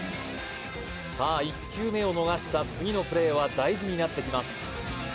さあ１球目を逃した次のプレーは大事になってきます